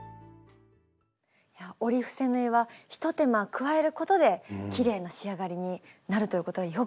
折り伏せ縫いは一手間加えることできれいな仕上がりになるということよく分かりました。